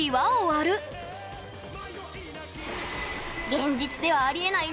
現実ではありえない